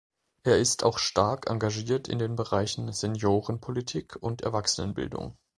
Er ist auch stark engagiert in den Bereichen Seniorenpolitik und Erwachsenenbildung.